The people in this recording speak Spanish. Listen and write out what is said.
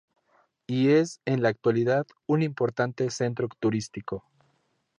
Y es, en la actualidad, un importante centro turístico.